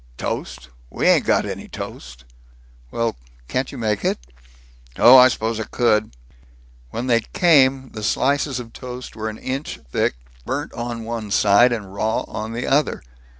"Toast? We ain't got any toast!" "Well, can't you make it?" "Oh, I suppose I could " When they came, the slices of toast were an inch thick, burnt on one side and raw on the other.